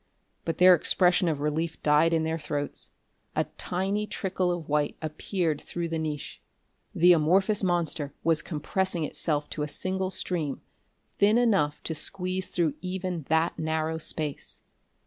But their expression of relief died in their throats. A tiny trickle of white appeared through the niche. The amorphous monster was compressing itself to a single stream, thin enough to squeeze through even that narrow space.